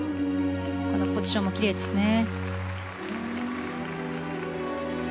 このポジションも奇麗ですね。